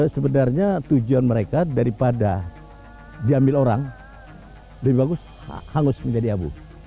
sebenarnya tujuan mereka daripada diambil orang lebih bagus hangus menjadi abu